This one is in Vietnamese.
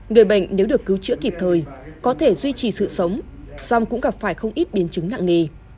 người bệnh nếu được cứu chữa kịp thời có thể duy trì sự sống song cũng gặp phải không ít biến chứng nặng nề